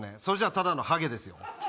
それじゃただのハゲですよ